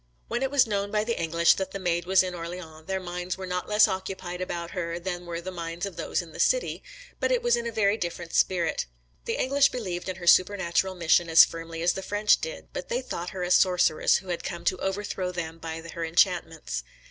When it was known by the English that the Maid was in Orleans, their minds were not less occupied about her than were the minds of those in the city; but it was in a very different spirit. The English believed in her supernatural mission as firmly as the French did; but they thought her a sorceress who had come to overthrow them by her enchantments.